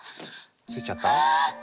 ついちゃった？